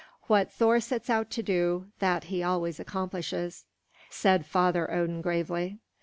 "What Thor sets out to do, that he always accomplishes," said Father Odin gravely.